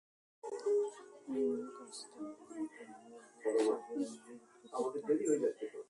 Costa তার হয়ে চুরির মাল বিক্রি করতো।